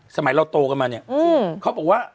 สมัยเราโตกันมาเขาบอกว่า